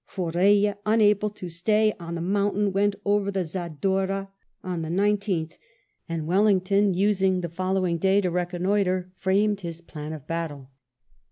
For Eeille, unable to stay on the mountain, went over the Zadorra on the 19th; and Wellington, using the following day to reconnoitre, framed his plan of battle.